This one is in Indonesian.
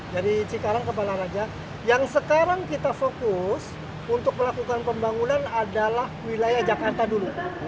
jadi cikarang ke balaraja yang sekarang kita fokus untuk melakukan pembangunan adalah wilayah jakarta dulu